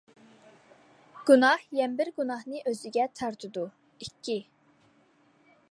گۇناھ يەنە بىر گۇناھنى ئۆزىگە تارتىدۇ، ئىككى.